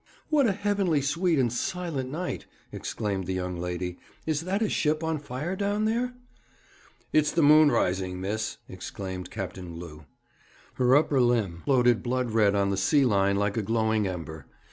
'What a heavenly sweet and silent night!' exclaimed the young lady. 'Is that a ship on fire down there?' 'It's the moon rising, miss,' exclaimed Captain Glew. Her upper limb floated blood red on the sea line like a glowing ember.